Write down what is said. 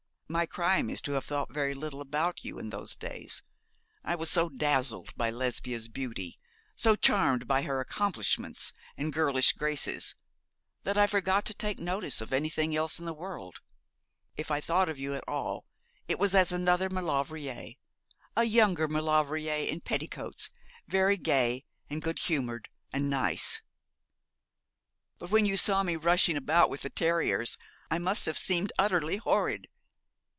My crime is to have thought very little about you in those days. I was so dazzled by Lesbia's beauty, so charmed by her accomplishments and girlish graces, that I forgot to take notice of anything else in the world. If I thought of you at all it was as another Maulevrier a younger Maulevrier in petticoats, very gay, and good humoured, and nice.' 'But when you saw me rushing about with the terriers I must have seemed utterly horrid.'